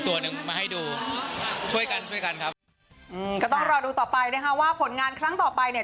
ว่าผลงานครั้งต่อไปเนี่ย